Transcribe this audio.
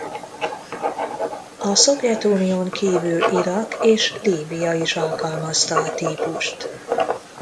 A Szovjetunión kívül Irak és Líbia is alkalmazta a típust.